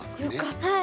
よかった。